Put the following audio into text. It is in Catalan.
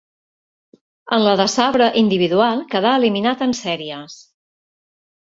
En la de sabre individual quedà eliminat en sèries.